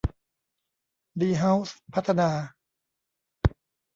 ดีเฮ้าส์พัฒนา